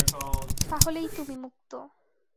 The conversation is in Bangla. তাহলেই তুমি মুক্ত।